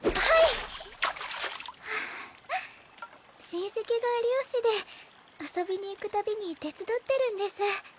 親戚が漁師で遊びに行く度に手伝ってるんです。